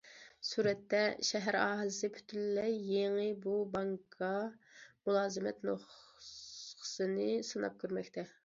سۈرەتتە: شەھەر ئاھالىسى پۈتۈنلەي يېڭى بۇ بانكا مۇلازىمەت نۇسخىسىنى سىناپ كۆرمەكتە.